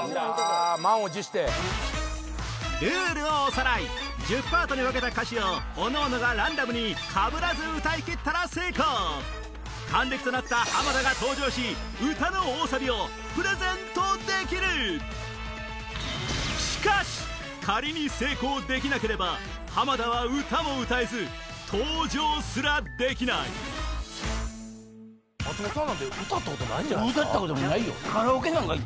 ルールをおさらい１０パートに分けた歌詞をおのおのがランダムにかぶらず歌い切ったら成功還暦となった浜田が登場し歌の大サビをプレゼントできるしかし仮に成功できなければ浜田は歌も歌えず登場すらできない松本さん。